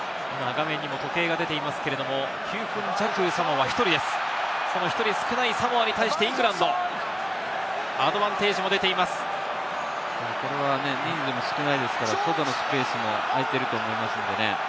画面にも時計が出ていますが、９分弱、サモアは１人少ないサモアに対してイングランド。アドバンテージも出ていこれは人数も少ないですから、外のスペースも空いていると思いますんでね。